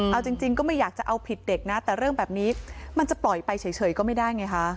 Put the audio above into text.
เอาจริงก็ไม่อยากจะเอาผิดเด็กนะแต่เรื่องแบบนี้มันจะปล่อยไปเฉยก็ไม่ได้ไงคะ